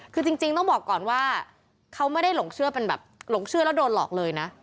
คือจริงต้องบอกก่อนว่าเขาไม่ได้หลงเชื่อเป็นแบบหลงเชื่อแล้วโดนหลอกเลยนะ